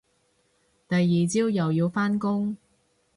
第二朝又要返工